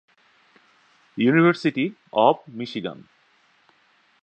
University of Michigan.